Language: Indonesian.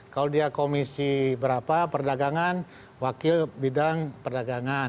kalau dia komisi berapa perdagangan wakil bidang perdagangan